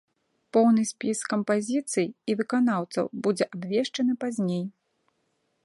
Поўны спіс кампазіцый і выканаўцаў будзе абвешчаны пазней.